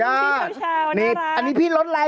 อันนี้พี่ลดไงพี่ลดเม